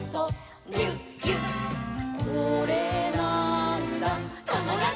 「これなーんだ『ともだち！』」